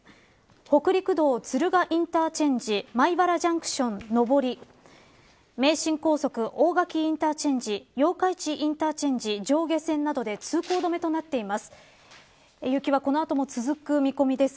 北陸道、敦賀インターチェンジ米原ジャンクション上り名神高速、大垣インターチェンジ八日市インターチェンジ上下線などで通行止めとなっています。